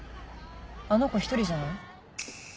あの子１人じゃない？